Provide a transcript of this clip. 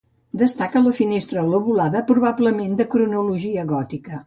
Destaca la finestra lobulada probablement de cronologia gòtica.